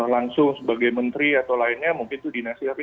langsung sebagai menteri atau lainnya mungkin itu dinasihati